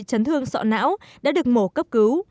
chấn thương sọ não đã được mổ cấp cứu